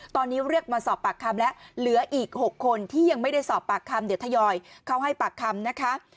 ตอนนี้เรียกมาสอบปากคำแล้วเหลืออีก๖คนที่ยังไม่ได้สอบปากคำเดี๋ยวทยอยเข้าให้ปากคำนะคะ